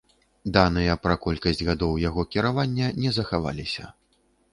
Даныя пра колькасць гадоў яго кіравання не захаваліся.